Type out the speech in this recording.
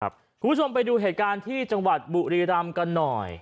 คุณผู้ชมไปดูเหตุการณ์ที่จังหวัดบุรีรำกันหน่อย